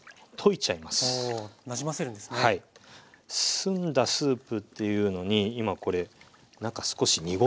澄んだスープっていうのに今これなんか少し濁ってるんですよね。